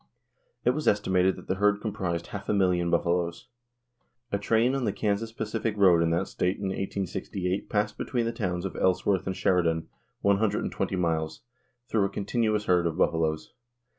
It was estimated that the herd comprised half a million buffaloes. A train on the Kansas Pacific road in that state in 1868 passed between the towns of Ellsworth and Sheridan one hundred and twenty miles through a continuous herd of buffaloes.